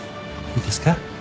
いいですか？